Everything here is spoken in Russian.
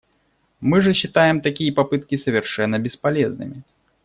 Мы же считаем такие попытки совершенно бесполезными.